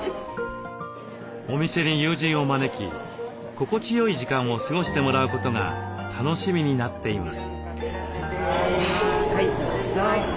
お店に友人を招き心地よい時間を過ごしてもらうことが楽しみになっています。